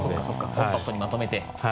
コンパクトにまとめて。